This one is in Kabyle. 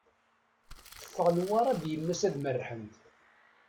Teffeɣ Newwara d yemma-s ad merrḥent.